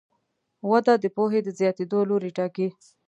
وده د پوهې د زیاتېدو لوری ټاکي.